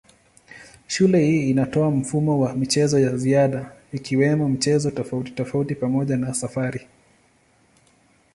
Shule hii inatoa mfumo wa michezo ya ziada ikiwemo michezo tofautitofauti pamoja na safari.